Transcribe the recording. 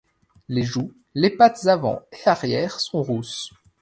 Les joues, les pattes avant et arrière sont rousses.